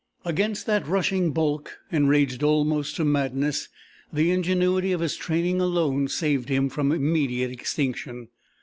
Against that rushing bulk, enraged almost to madness, the ingenuity of his training alone saved him from immediate extinction.